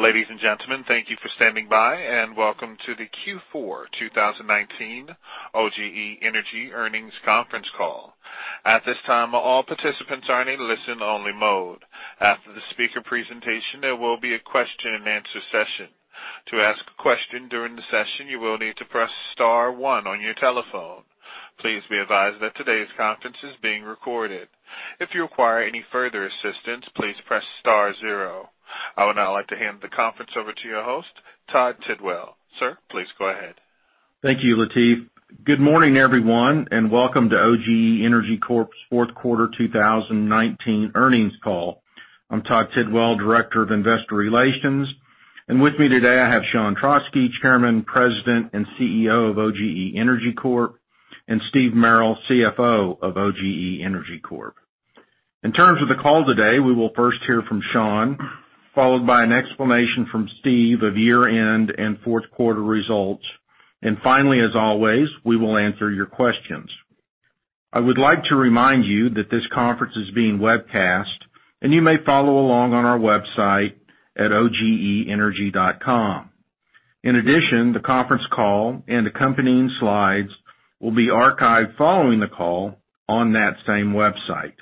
Ladies and gentlemen, thank you for standing by, and Welcome to the Q4 2019 OGE Energy Earnings Conference Call. At this time, all participants are in a listen-only mode. After the speaker presentation, there will be a question-and-answer session. To ask a question during the session, you will need to press star one on your telephone. Please be advised that today's conference is being recorded. If you require any further assistance, please press star zero. I would now like to hand the conference over to your host, Todd Tidwell. Sir, please go ahead. Thank you, Latif. Good morning, everyone, and welcome to OGE Energy Corp's Fourth Quarter 2019 Earnings Call. I'm Todd Tidwell, Director of Investor Relations, and with me today, I have Sean Trauschke, Chairman, President, and CEO of OGE Energy Corp, and Steve Merrill, CFO of OGE Energy Corp. In terms of the call today, we will first hear from Sean, followed by an explanation from Steve of year-end and fourth quarter results. Finally, as always, we will answer your questions. I would like to remind you that this conference is being webcast, and you may follow along on our website at ogeenergy.com. In addition, the conference call and accompanying slides will be archived following the call on that same website.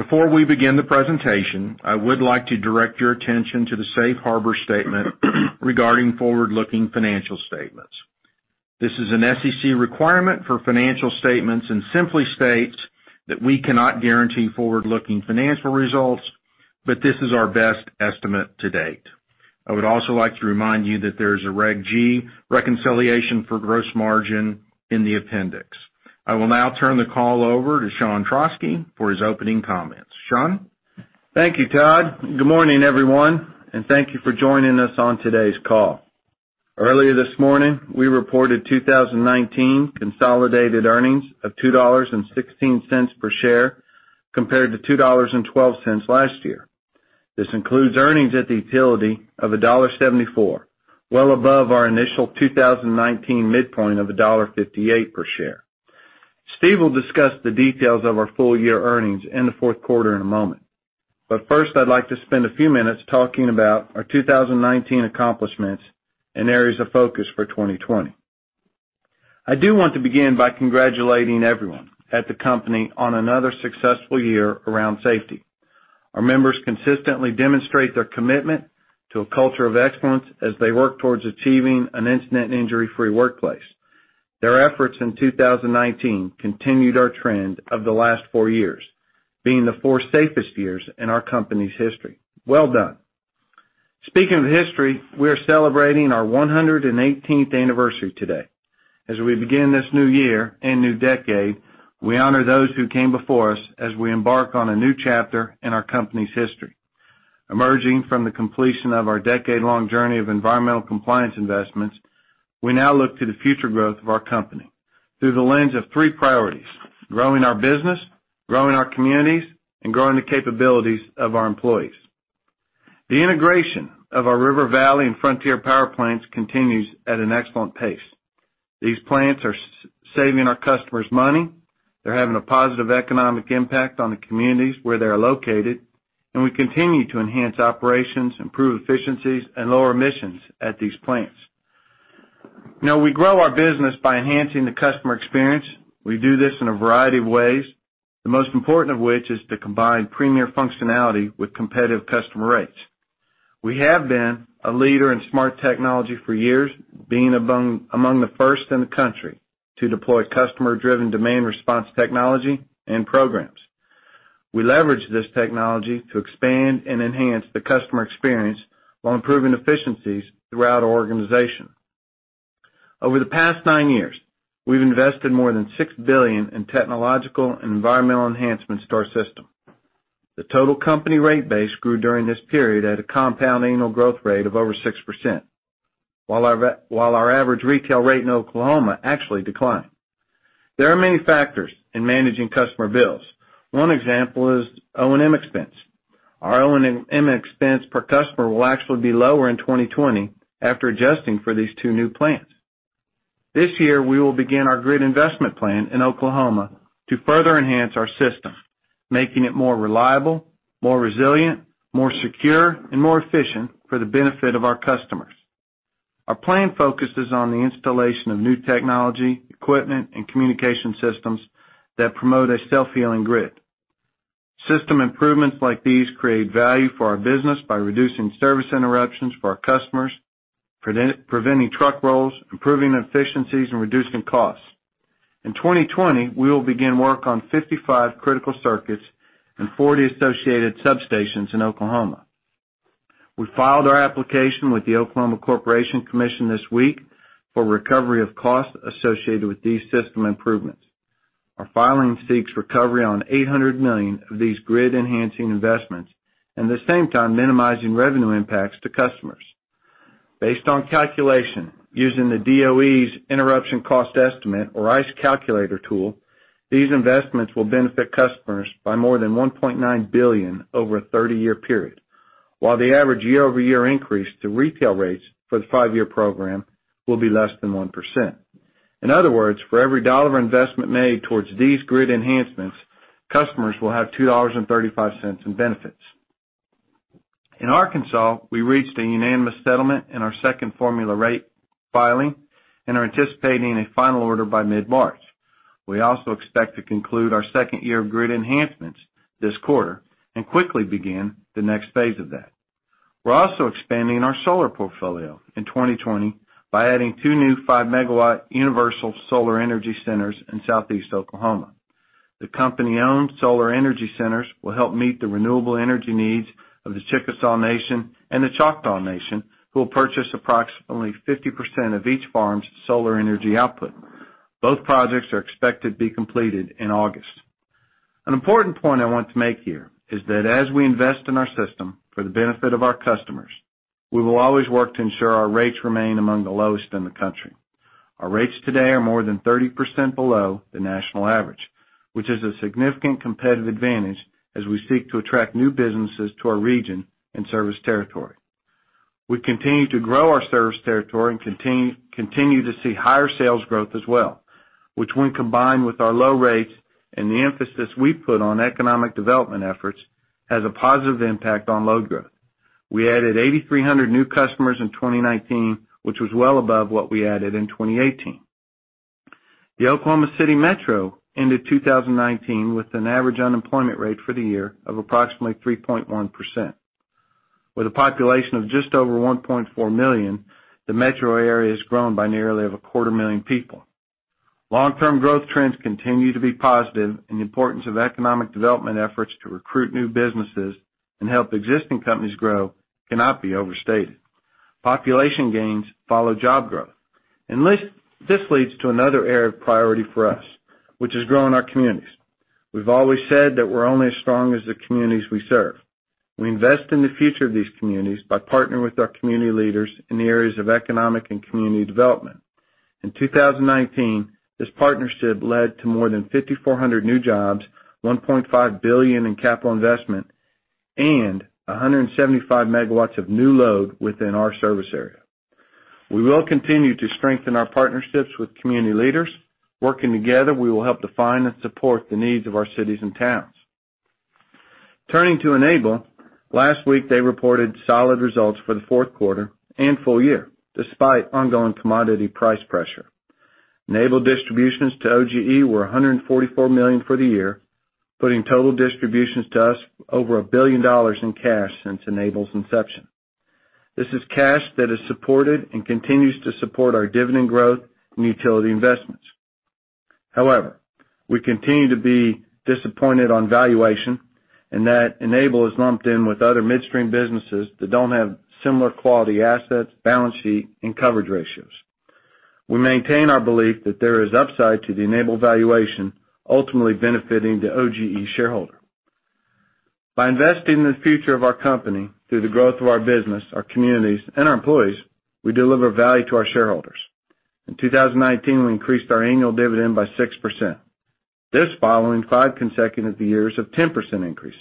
Before we begin the presentation, I would like to direct your attention to the Safe Harbor statement regarding forward-looking financial statements. This is an SEC requirement for financial statements and simply states that we cannot guarantee forward-looking financial results, but this is our best estimate to date. I would also like to remind you that there is a Regulation G reconciliation for gross margin in the appendix. I will now turn the call over to Sean Trauschke for his opening comments. Sean? Thank you, Todd. Good morning, everyone, and thank you for joining us on today's call. Earlier this morning, we reported 2019 consolidated earnings of $2.16 per share compared to 2.12 last year. This includes earnings at the utility of $1.74, well above our initial 2019 midpoint of $1.58 per share. Steve will discuss the details of our full-year earnings in the fourth quarter in a moment. First, I'd like to spend a few minutes talking about our 2019 accomplishments and areas of focus for 2020. I do want to begin by congratulating everyone at the company on another successful year around safety. Our members consistently demonstrate their commitment to a culture of excellence as they work towards achieving an incident- and injury-free workplace. Their efforts in 2019 continued our trend of the last four years, being the four safest years in our company's history. Well done. Speaking of history, we are celebrating our 118th anniversary today. As we begin this new year and new decade, we honor those who came before us as we embark on a new chapter in our company's history. Emerging from the completion of our decade-long journey of environmental compliance investments, we now look to the future growth of our company through the lens of three priorities: growing our business, growing our communities, and growing the capabilities of our employees. The integration of our River Valley and Frontier power plants continues at an excellent pace. These plants are saving our customers money, they're having a positive economic impact on the communities where they are located, and we continue to enhance operations, improve efficiencies, and lower emissions at these plants. We grow our business by enhancing the customer experience. We do this in a variety of ways, the most important of which is to combine premier functionality with competitive customer rates. We have been a leader in smart technology for years, being among the first in the country to deploy customer-driven demand response technology and programs. We leverage this technology to expand and enhance the customer experience while improving efficiencies throughout our organization. Over the past nine years, we've invested more than $6 billion in technological and environmental enhancements to our system. The total company rate base grew during this period at a compound annual growth rate of over 6% while our average retail rate in Oklahoma actually declined. There are many factors in managing customer bills. One example is O&M expense. Our O&M expense per customer will actually be lower in 2020 after adjusting for these two new plants. This year, we will begin our Grid Investment Plan in Oklahoma to further enhance our system, making it more reliable, more resilient, more secure, and more efficient for the benefit of our customers. Our plan focuses on the installation of new technology, equipment, and communication systems that promote a self-healing grid. System improvements like these create value for our business by reducing service interruptions for our customers, preventing truck rolls, improving efficiencies, and reducing costs. In 2020, we will begin work on 55 critical circuits and 40 associated substations in Oklahoma. We filed our application with the Oklahoma Corporation Commission this week for recovery of costs associated with these system improvements. Our filing seeks recovery on $800 million of these grid-enhancing investments, at the same time, minimizing revenue impacts to customers. Based on calculation using the DOE's Interruption Cost Estimate or ICE calculator tool, these investments will benefit customers by more than $1.9 billion over a 30-year period, while the average year-over-year increase to retail rates for the five-year program will be less than 1%. In other words, for every dollar of investment made towards these grid enhancements, customers will have $2.35 in benefits. In Arkansas, we reached a unanimous settlement in our second formula rate filing, are anticipating a final order by mid-March. We also expect to conclude our second year of grid enhancements this quarter, quickly begin the next phase of that. We're also expanding our solar portfolio in 2020 by adding two new 5-MW universal solar energy centers in Southeast Oklahoma. The company-owned solar energy centers will help meet the renewable energy needs of the Chickasaw Nation and the Choctaw Nation, who will purchase approximately 50% of each farm's solar energy output. Both projects are expected to be completed in August. An important point I want to make here is that as we invest in our system for the benefit of our customers, we will always work to ensure our rates remain among the lowest in the country. Our rates today are more than 30% below the national average, which is a significant competitive advantage as we seek to attract new businesses to our region and service territory. We continue to grow our service territory and continue to see higher sales growth as well, which when combined with our low rates and the emphasis we put on economic development efforts, has a positive impact on load growth. We added 8,300 new customers in 2019, which was well above what we added in 2018. The Oklahoma City Metro ended 2019 with an average unemployment rate for the year of approximately 3.1%. With a population of just over 1.4 million, the metro area has grown by nearly of a 0.25 million people. Long-term growth trends continue to be positive. The importance of economic development efforts to recruit new businesses and help existing companies grow cannot be overstated. Population gains follow job growth. This leads to another area of priority for us, which is growing our communities. We've always said that we're only as strong as the communities we serve. We invest in the future of these communities by partnering with our community leaders in the areas of economic and community development. In 2019, this partnership led to more than 5,400 new jobs, $1.5 billion in capital investment, and 175 MW of new load within our service area. We will continue to strengthen our partnerships with community leaders. Working together, we will help define and support the needs of our cities and towns. Turning to Enable, last week they reported solid results for the fourth quarter and full year, despite ongoing commodity price pressure. Enable distributions to OGE were $144 million for the year, putting total distributions to us over $1 billion in cash since Enable's inception. This is cash that has supported and continues to support our dividend growth and utility investments. We continue to be disappointed on valuation, and that Enable is lumped in with other midstream businesses that don't have similar quality assets, balance sheet, and coverage ratios. We maintain our belief that there is upside to the Enable valuation, ultimately benefiting the OGE shareholder. By investing in the future of our company through the growth of our business, our communities, and our employees, we deliver value to our shareholders. In 2019, we increased our annual dividend by 6%. This following five consecutive years of 10% increases.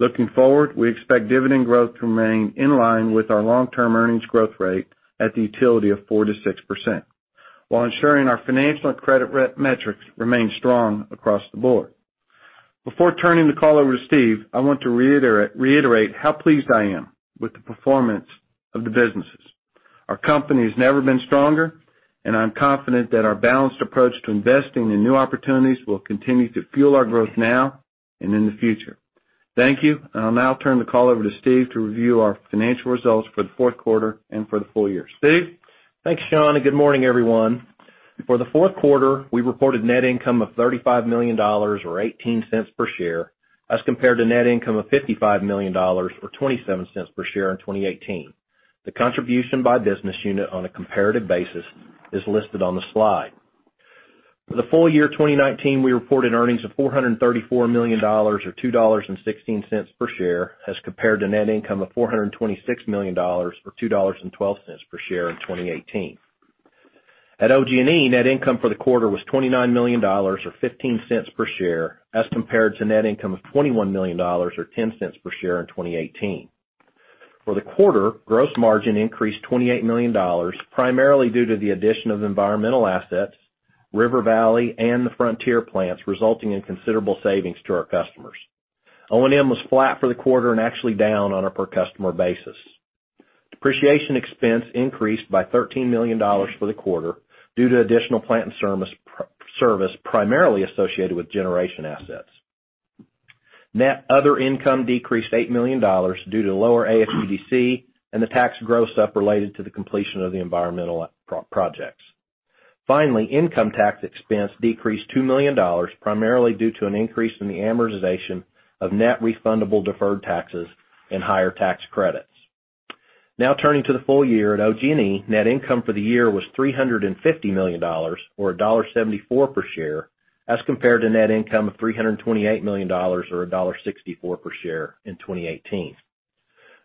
Looking forward, we expect dividend growth to remain in line with our long-term earnings growth rate at the utility of 4%-6%, while ensuring our financial and credit risk metrics remain strong across the board. Before turning the call over to Steve, I want to reiterate how pleased I am with the performance of the businesses. Our company's never been stronger. I'm confident that our balanced approach to investing in new opportunities will continue to fuel our growth now and in the future. Thank you. I'll now turn the call over to Steve to review our financial results for the fourth quarter and for the full year. Steve? Thanks, Sean, and good morning, everyone. For the fourth quarter, we reported net income of $35 million, or 0.18 per share, as compared to net income of $55 million or 0.27 per share in 2018. The contribution by business unit on a comparative basis is listed on the slide. For the full year 2019, we reported earnings of $434 million or 2.16 per share as compared to net income of $426 million or 2.12 per share in 2018. At OG&E, net income for the quarter was $29 million or 0.15 per share as compared to net income of $21 million or 0.10 per share in 2018. For the quarter, gross margin increased $28 million, primarily due to the addition of environmental assets, River Valley and the Frontier Plants, resulting in considerable savings to our customers. O&M was flat for the quarter and actually down on a per-customer basis. Depreciation expense increased by $13 million for the quarter due to additional plant and service primarily associated with generation assets. Net other income decreased $8 million due to lower AFUDC and the tax gross up related to the completion of the environmental projects. Finally, income tax expense decreased $2 million, primarily due to an increase in the amortization of net refundable deferred taxes and higher tax credits. Now turning to the full year at OG&E, net income for the year was $350 million, or 1.74 per share, as compared to net income of $328 million or 1.64 per share in 2018.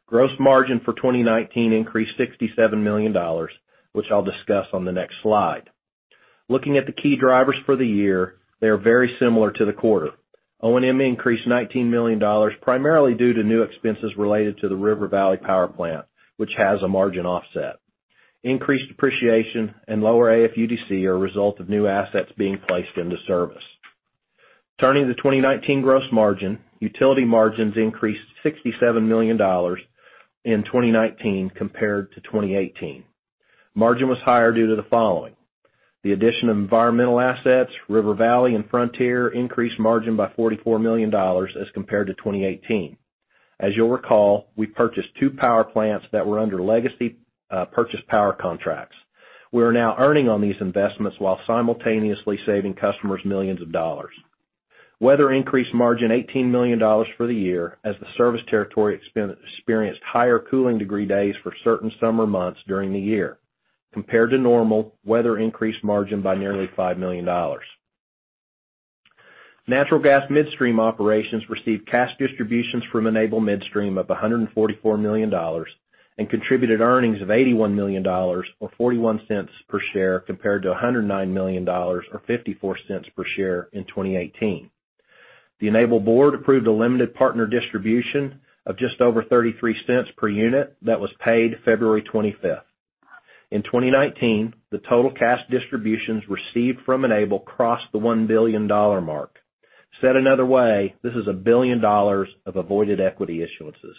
Gross margin for 2019 increased $67 million, which I'll discuss on the next slide. Looking at the key drivers for the year, they are very similar to the quarter. O&M increased $19 million, primarily due to new expenses related to the River Valley Power Plant, which has a margin offset. Increased depreciation and lower AFUDC are a result of new assets being placed into service. Turning to the 2019 gross margin, utility margins increased $67 million in 2019 compared to 2018. Margin was higher due to the following: The addition of environmental assets, River Valley and Frontier increased margin by $44 million as compared to 2018. As you'll recall, we purchased two power plants that were under legacy purchase power contracts. We are now earning on these investments while simultaneously saving customers millions of dollars. Weather increased margin $18 million for the year as the service territory experienced higher cooling degree days for certain summer months during the year. Compared to normal, weather increased margin by nearly $5 million. Natural Gas Midstream Operations received cash distributions from Enable Midstream of $144 million and contributed earnings of $81 million, or 0.41 per share, compared to $109 million or 0.54 per share in 2018. The Enable board approved a limited partner distribution of just over $0.33 per unit that was paid February 25th. In 2019, the total cash distributions received from Enable crossed the $1 billion mark. Said another way, this is $1 billion of avoided equity issuances.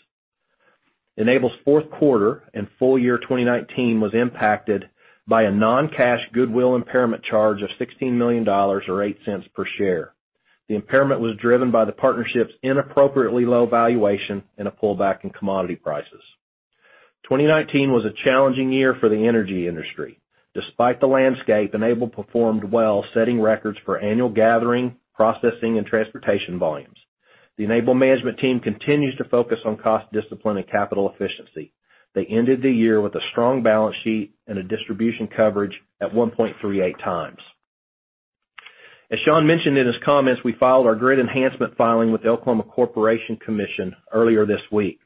Enable's fourth quarter and full year 2019 was impacted by a non-cash goodwill impairment charge of $16 million or 0.08 per share. The impairment was driven by the partnership's inappropriately low valuation and a pullback in commodity prices. 2019 was a challenging year for the energy industry. Despite the landscape, Enable performed well, setting records for annual gathering, processing, and transportation volumes. The Enable management team continues to focus on cost discipline and capital efficiency. They ended the year with a strong balance sheet and a distribution coverage at 1.38x. As Sean mentioned in his comments, we filed our Grid Enhancement Filing with the Oklahoma Corporation Commission earlier this week.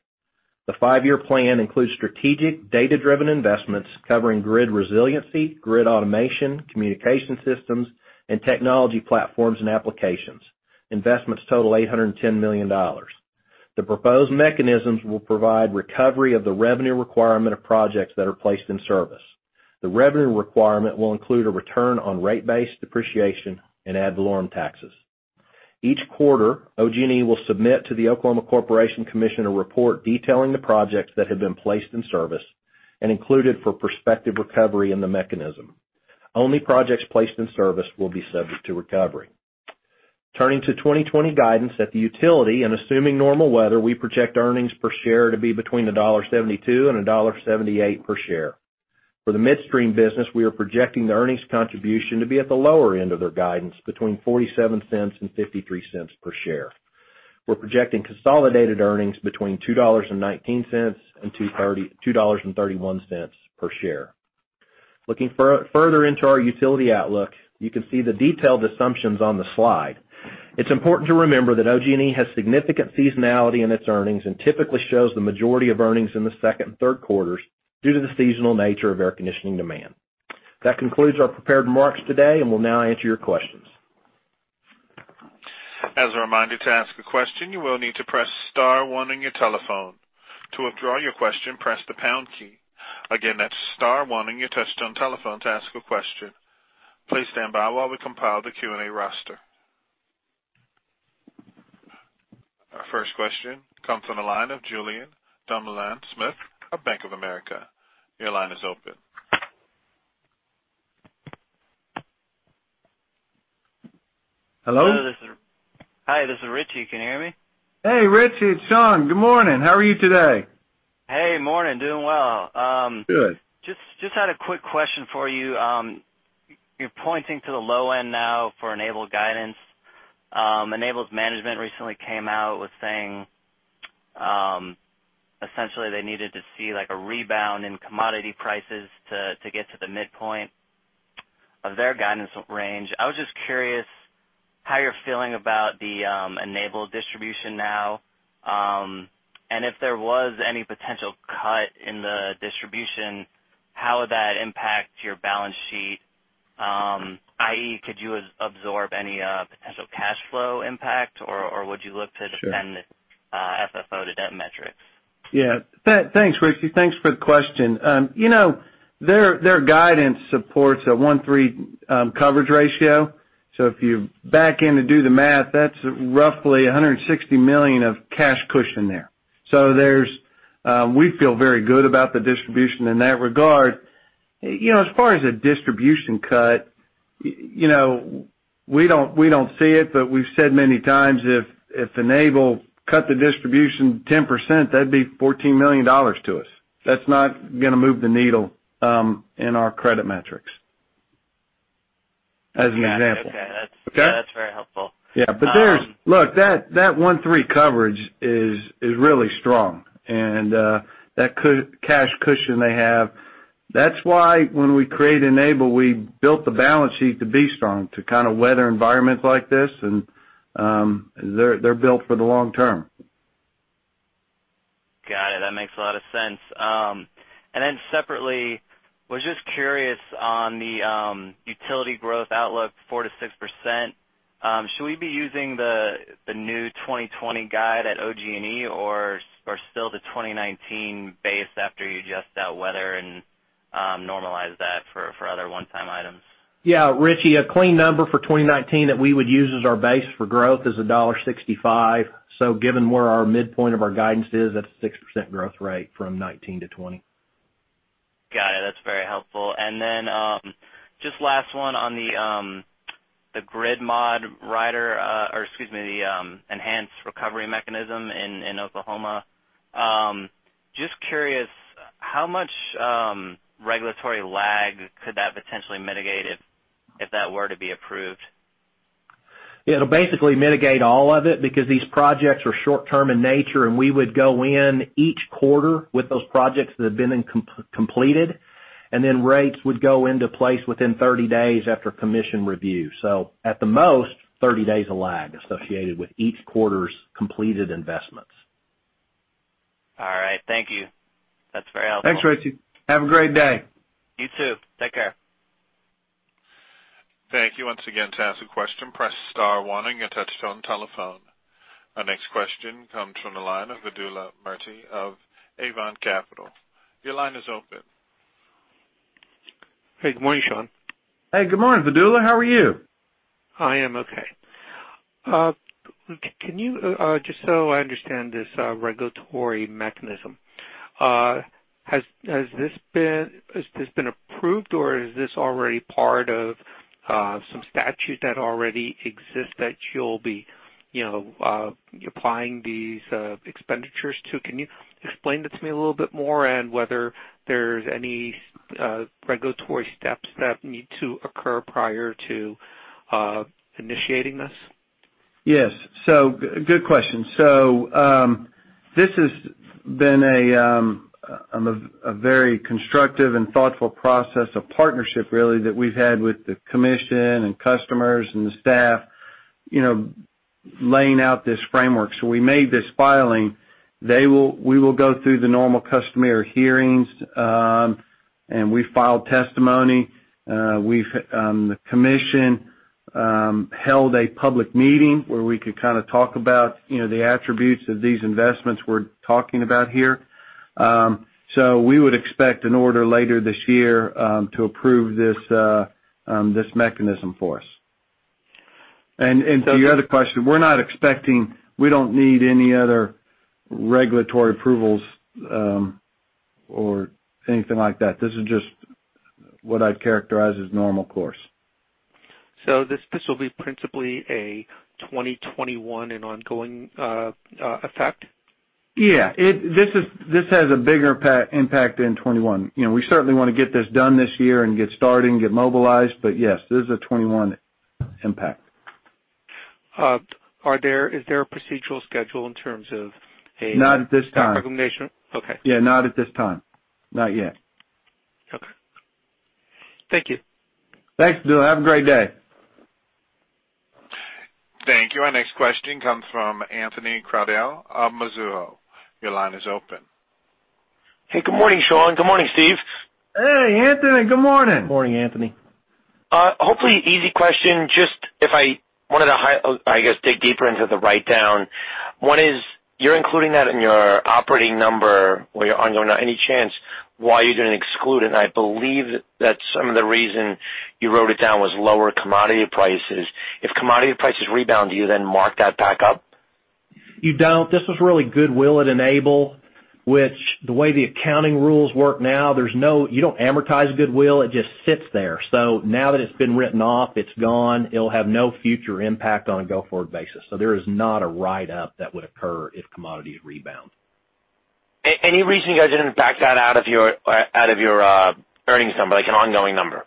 The five-year plan includes strategic data-driven investments covering Grid Resiliency, Grid Automation, Communication Systems, and Technology Platforms and Applications. Investments total $810 million. The proposed mechanisms will provide recovery of the revenue requirement of projects that are placed in service. The revenue requirement will include a return on rate base depreciation and ad valorem taxes. Each quarter, OG&E will submit to the Oklahoma Corporation Commission a report detailing the projects that have been placed in service and included for prospective recovery in the mechanism. Only projects placed in service will be subject to recovery. Turning to 2020 guidance at the utility and assuming normal weather, we project earnings per share to be between $1.72 and 1.78 per share. For the midstream business, we are projecting the earnings contribution to be at the lower end of their guidance, between $0.47 and 0.53 per share. We're projecting consolidated earnings between $2.19 and 2.31 per share. Looking further into our utility outlook, you can see the detailed assumptions on the slide. It's important to remember that OG&E has significant seasonality in its earnings and typically shows the majority of earnings in the second and third quarters due to the seasonal nature of air conditioning demand. That concludes our prepared remarks today, and we'll now answer your questions. As a reminder, to ask a question, you will need to press star one on your telephone. To withdraw your question, press the pound key. Again, that's star one on your touchtone telephone to ask a question. Please stand by while we compile the Q&A roster. Our first question comes from the line of Julien Dumoulin-Smith of Bank of America. Your line is open. Hello? Hi, this is Richie. Can you hear me? Hey, Richie. It's Sean. Good morning. How are you today? Hey, morning. Doing well. Good. Just had a quick question for you. You're pointing to the low end now for Enable guidance. Enable's management recently came out with saying, essentially they needed to see a rebound in commodity prices to get to the midpoint of their guidance range. I was just curious how you're feeling about the Enable distribution now, and if there was any potential cut in the distribution, how would that impact your balance sheet? I.e., could you absorb any potential cash flow impact? Sure. Defend the FFO to debt metrics? Yeah. Thanks, Richie. Thanks for the question. Their guidance supports a 1.3 coverage ratio. If you back in to do the math, that's roughly $160 million of cash cushion there. We feel very good about the distribution in that regard. As far as a distribution cut, we don't see it, but we've said many times if Enable cut the distribution 10%, that'd be $14 million to us. That's not going to move the needle in our credit metrics, as an example. Yeah. Okay. Okay? That's very helpful. Yeah. Look, that 1.3 coverage is really strong, and that cash cushion they have. That's why when we created Enable, we built the balance sheet to be strong, to kind of weather environments like this, and they're built for the long term. That makes a lot of sense. I was just curious on the utility growth outlook, 4%-6%. Should we be using the new 2020 guide at OG&E or still the 2019 base after you adjust out weather and normalize that for other one-time items? Yeah, Richie, a clean number for 2019 that we would use as our base for growth is $1.65. Given where our midpoint of our guidance is, that's a 6% growth rate from 2019 to 2020. Got it. That's very helpful. Just last one on the Grid Mod Rider-- or excuse me, the enhanced recovery mechanism in Oklahoma. Just curious, how much regulatory lag could that potentially mitigate if that were to be approved? It'll basically mitigate all of it because these projects are short-term in nature, and we would go in each quarter with those projects that have been completed, and then rates would go into place within 30 days after commission review. At the most, 30 days of lag associated with each quarter's completed investments. All right. Thank you. That's very helpful. Thanks, Richie. Have a great day. You too. Take care. Thank you. Once again, to ask a question, press star one on your touchtone telephone. Our next question comes from the line of Vedula Murti of Avon Capital. Your line is open. Hey, good morning, Sean. Hey, good morning, Vedula. How are you? I am okay. Can you, just so I understand this regulatory mechanism, has this been approved, or is this already part of some statute that already exists that you'll be applying these expenditures to? Can you explain it to me a little bit more and whether there's any regulatory steps that need to occur prior to initiating this? Yes. Good question. This has been a very constructive and thoughtful process of partnership, really, that we've had with the Commission and customers and the staff laying out this framework. We made this filing. We will go through the normal customary hearings, and we filed testimony. The Commission held a public meeting where we could talk about the attributes of these investments we're talking about here. We would expect an order later this year to approve this mechanism for us. To your other question, we don't need any other regulatory approvals or anything like that. This is just what I'd characterize as normal course. This will be principally a 2021 and ongoing effect? Yeah. This has a bigger impact in 2021. We certainly want to get this done this year and get started and get mobilized, but yes, this is a 2021 impact. Is there a procedural schedule in terms of? Not at this time. Okay. Yeah, not at this time. Not yet. Okay. Thank you. Thanks, Vedula. Have a great day. Thank you. Our next question comes from Anthony Crowdell of Mizuho. Your line is open. Hey, good morning, Sean. Good morning, Steve. Hey, Anthony. Good morning. Morning, Anthony. Hopefully easy question. Just if I wanted to, I guess, dig deeper into the write-down. One is, you're including that in your operating number or your ongoing. Any chance why you're going to exclude it? I believe that some of the reason you wrote it down was lower commodity prices. If commodity prices rebound, do you then mark that back up? You don't. This was really goodwill at Enable, which the way the accounting rules work now, you don't amortize goodwill. It just sits there. Now that it's been written off, it's gone. It'll have no future impact on a go-forward basis. There is not a write-up that would occur if commodities rebound. Any reason you guys didn't back that out of your earnings number, like an ongoing number?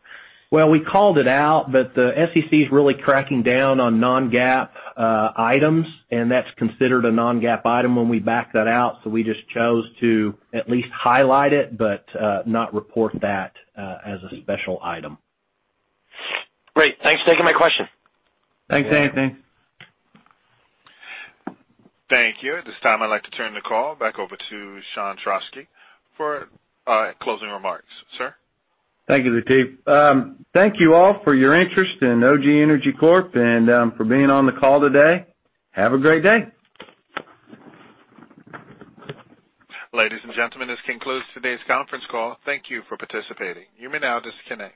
Well, we called it out, but the SEC is really cracking down on non-GAAP items, and that's considered a non-GAAP item when we back that out. We just chose to at least highlight it, but not report that as a special item. Great. Thanks for taking my question. Thanks, Anthony. Thank you. At this time, I'd like to turn the call back over to Sean Trauschke for closing remarks. Sir? Thank you, Latif. Thank you all for your interest in OGE Energy Corp and for being on the call today. Have a great day. Ladies and gentlemen, this concludes today's conference call. Thank you for participating. You may now disconnect.